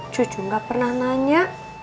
cucu gak pernah nanya